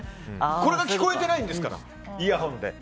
これが聞こえてないんですからイヤホンで。